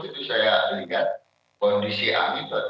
itu saya terikat kondisi amni total habis